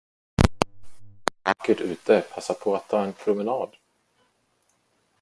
Det är så vackert ute, passa på att ta en promenad!